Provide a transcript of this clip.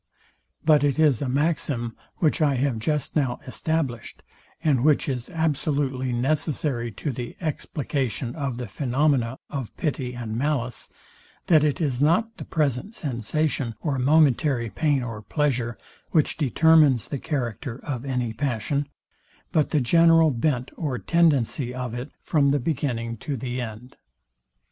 But it is a maxim, which I have just now established, and which is absolutely necessary to the explication of the phaenomena of pity and malice, that it is not the present sensation or momentary pain or pleasure, which determines the character of any passion, but the general bent or tendency of it from the beginning to the end.